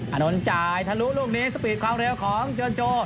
อานนท์จ่ายทะลุลูกนี้สปีดความเร็วของเจินโจ